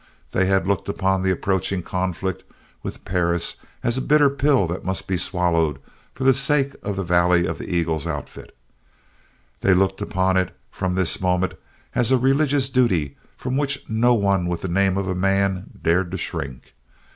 They had looked upon the approaching conflict with Perris as a bitter pill that must be swallowed for the sake of the Valley of the Eagles outfit. They looked upon it, from this moment, as a religious duty from which no one with the name of a man dared to shrink.